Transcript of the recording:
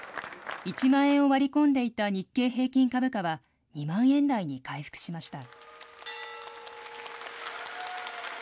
１万円を割り込んでいた日経平均株価は２万円台に回復しました。